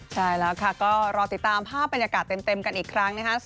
ใช่แล้วค่ะก็รอติดตามภาพบรรยากาศเต็มกันอีกครั้งนะคะ